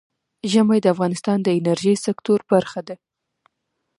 ژمی د افغانستان د انرژۍ سکتور برخه ده.